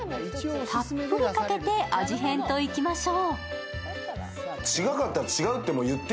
たっぷりかけて味変といきましょう。